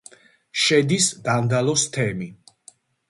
შედის დანდალოს თემი.